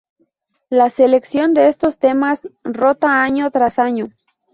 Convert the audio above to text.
La selección de estos temas rota año tras año.